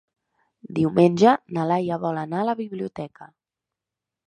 Diumenge na Laia vol anar a la biblioteca.